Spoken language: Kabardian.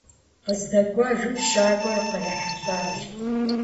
Къыздэкӏуэжым щакӏуэ кърихьэлӏащ.